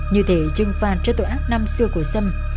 như thể trừng phạt cho tội ác năm xưa của xâm